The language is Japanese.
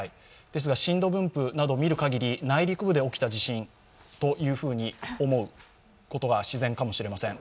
ですが震度分布などを見るかぎり内陸部で起きた地震と思うことが自然かもしれません。